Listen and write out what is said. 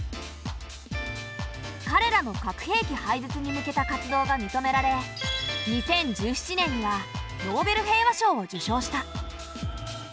かれらの核兵器廃絶に向けた活動が認められ２０１７年にはノーベル平和賞を受賞した。